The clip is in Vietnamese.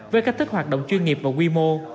với cách thức hoạt động chuyên nghiệp và quy mô